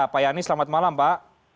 pak yani selamat malam pak